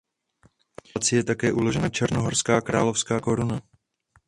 V paláci je také uložena Černohorská královská koruna.